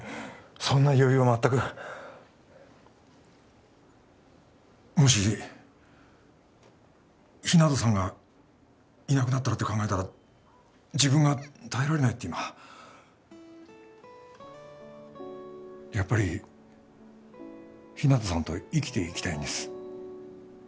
そんな余裕は全くもし日向さんがいなくなったらって考えたら自分が耐えられないって今やっぱり日向さんと生きていきたいんです